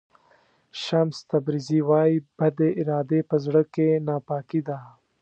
شمس تبریزي وایي بدې ارادې په زړه کې ناپاکي ده.